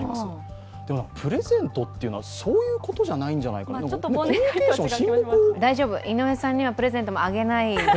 でもプレゼントというのはそういうことじゃないんじゃなかいな、コミュニケーション、親睦を大丈夫、井上さんにはプレゼントもあげないので。